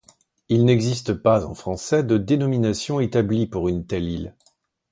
Il n'existe pas en français de dénomination établie pour une telle île.